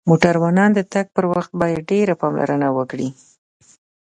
موټروانان د تک پر وخت باید ډیر پاملرنه وکړی